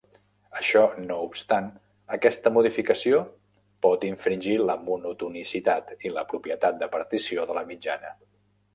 Això no obstant, aquesta modificació pot infringir la monotonicitat i la propietat de partició de la mitjana.